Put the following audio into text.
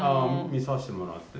見さしてもらって。